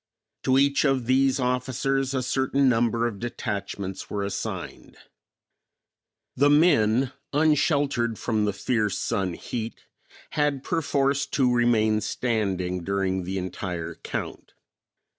To each of these officers a certain number of detachments were assigned. The men, unsheltered from the fierce sun heat, had perforce to remain standing during the entire count.